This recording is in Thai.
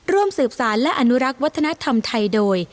ร่วมสืบสารและอนุรักษ์วัฒนธรรมไทยโดย